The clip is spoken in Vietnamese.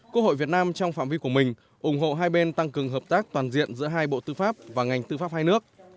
quốc hội việt nam trong phạm vi của mình ủng hộ hai bên tăng cường hợp tác toàn diện giữa hai bộ tư pháp và ngành tư pháp hai nước